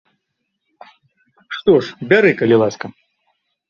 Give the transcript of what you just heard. Што ж, бяры, калі ласка.